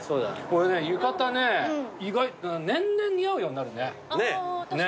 俺ね浴衣ね年々似合うようになるね。